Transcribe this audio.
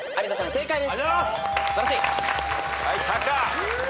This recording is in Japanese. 正解です。